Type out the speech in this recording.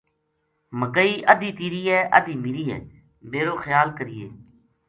مکئی ادھی تیری ہے ادھی میری ہے میر و خیا ل کرینے